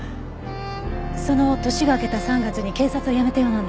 その年が明けた３月に警察を辞めたようなんだけど。